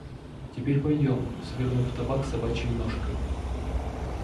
Теперь пойдём, свернув табак собачей ножкой.